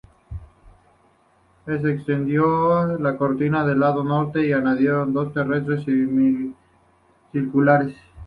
Se extendió la cortina del lado norte y se añadieron dos torres semicirculares.